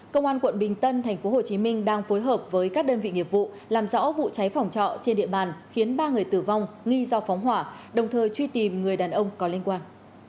công an quận bình tân tp hcm đang phối hợp với các đơn vị nghiệp vụ làm rõ vụ cháy phòng trọ trên địa bàn khiến ba người tử vong nghi do phóng hỏa đồng thời truy tìm người đàn ông có liên quan